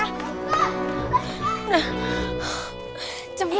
itu secara yodoh